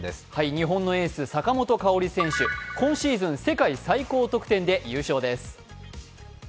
日本のエース、坂本花織選手、今シーズン世界最高得点で優勝です。